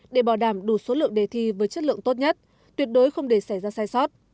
để bảo đảm đủ số lượng đề thi với chất lượng tốt nhất tuyệt đối không để xảy ra sai sót